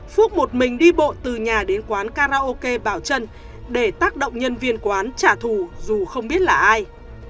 phước một mình đi bộ từ nhà đến quán karaoke bảo trân để tác động nhân viên quán trả thù dù không biết là ai